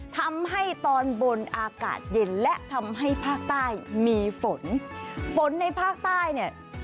ทำให้ตอนบนอากาศเย็นและทำให้ภาคใต้มีฝนฝนในภาคใต้เนี่ย